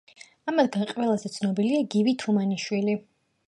ამათგან ყველაზე ცნობილია გივი თუმანიშვილი.